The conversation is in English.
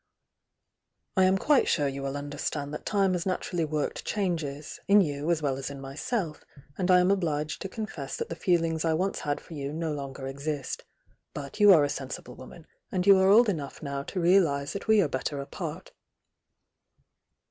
"I am quite sure you will understand that time has naturally worked changes, in you as well as in myself, and I am obliged to confess that the feel mgs I once had for you no longer exist. But you are a sensible woman, and you are old enough now to realise that we are better apart."